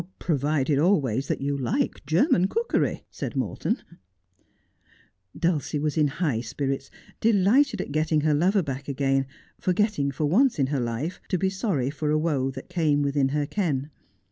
' Provided always that you like German cookery,' said Morton. Dulcie was in high spirits, delighted at getting her lover back again, forgetting for once in her life to be sorry for a woe that came within her ken.